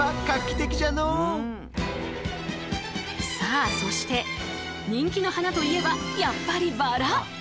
さあそして人気の花といえばやっぱりバラ。